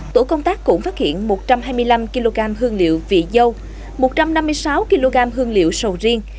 tổ công tác cũng phát hiện một trăm hai mươi năm kg hương liệu vị dâu một trăm năm mươi sáu kg hương liệu sầu riêng